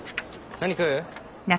何食う？